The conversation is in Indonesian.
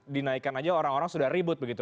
dinaikkan aja orang orang sudah ribut begitu